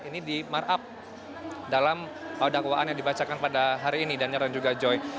ini dimarap dalam dakwaan yang dibacakan pada hari ini dan juga joy